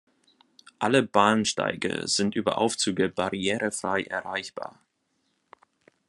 Alle Bahnsteige sind über Aufzüge barrierefrei erreichbar.